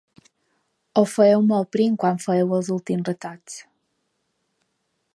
Ho fèieu molt prim quan fèieu els últims retocs.